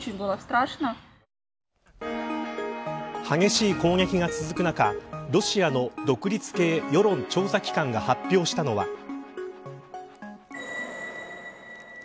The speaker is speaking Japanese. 激しい攻撃が続く中ロシアの独立系世論調査機関が発表したのは。